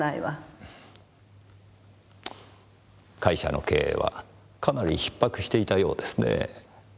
会社の経営はかなりひっ迫していたようですねぇ。